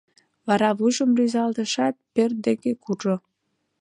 — Вара вуйжым рӱзалтышат, пӧрт деке куржо.